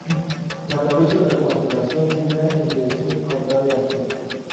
La cabeza de la constelación mira en dirección contraria al sol.